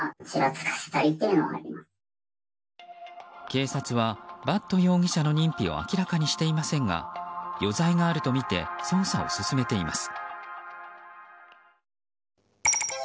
警察は伐渡容疑者の認否を明らかにしていませんが余罪があるとみて捜査を進めています。